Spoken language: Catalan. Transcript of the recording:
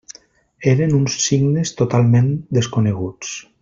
Eren uns signes totalment desconeguts.